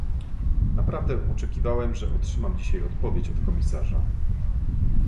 Naprawdę oczekiwałem, że otrzymam dzisiaj odpowiedź od komisarza